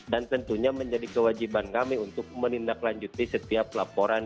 dan tentunya menjadi kewajiban kami untuk menindaklanjuti setiap laporan